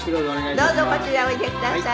どうぞこちらへおいでください。